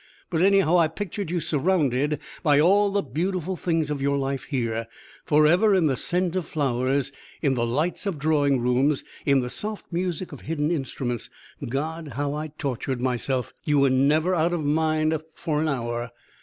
"But anyhow I pictured you surrounded by all the beautiful things of your life here, forever in the scent of flowers, in the lights of drawing rooms, in the soft music of hidden instruments. God! how I tortured myself! You were never out of mind for an hour.